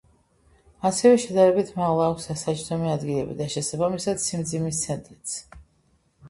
ასევე შედარებით მაღლა აქვს დასაჯდომი ადგილები და შესაბამისად სიმძიმის ცენტრიც.